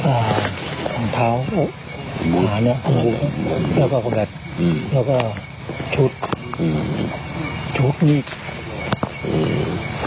อ่านทางเท้าอุ๊ะหาเนี่ยทุกข์แล้วก็แบบแล้วก็ชุดชุดมีดใส่